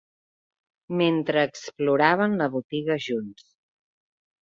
Mentre exploraven la botiga junts.